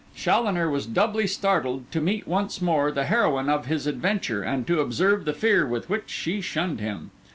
Challoner was doubly startled to meet once more the heroine of his adventure, and to observe the fear with which she shunned him.